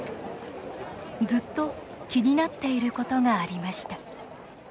ずっと気になっていることがありました。